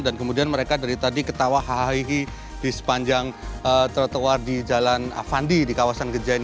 dan kemudian mereka dari tadi ketawa hahi hihi di sepanjang trotoar di jalan avandi di kawasan gejai ini